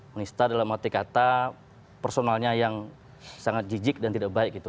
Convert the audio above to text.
menista dalam arti kata personalnya yang sangat jijik dan tidak baik gitu